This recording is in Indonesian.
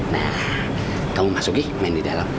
nah kamu masukin main di dalam ya